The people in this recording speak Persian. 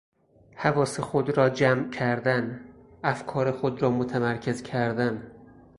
حواس خود را جمع کردن، افکار خود را متمرکز کردن